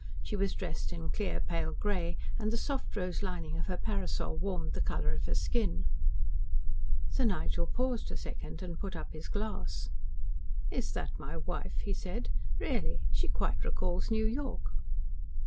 She was dressed in clear, pale grey, and the soft rose lining of her parasol warmed the colour of her skin. Sir Nigel paused a second and put up his glass. "Is that my wife?" he said. "Really! She quite recalls New York."